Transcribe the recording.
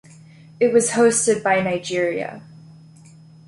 It was hosted by Nigeria.